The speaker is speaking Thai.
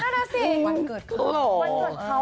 วันเกิดเขา